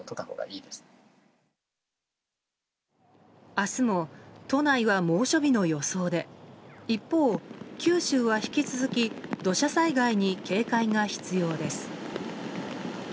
明日も都内は猛暑日の予想で一方、九州は引き続き土砂災害に警戒が必要です。